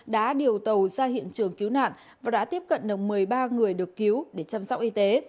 đã điều tàu ra hiện trường cứu nạn và đã tiếp cận được một mươi ba người được cứu để chăm sóc y tế